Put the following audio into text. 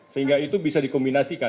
sehingga itu bisa dikombinasikan